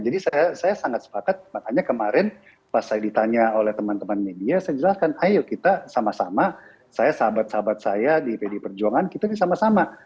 jadi saya sangat sepakat makanya kemarin pas saya ditanya oleh teman teman media saya jelaskan ayo kita sama sama saya sahabat sahabat saya di perjuangan kita ini sama sama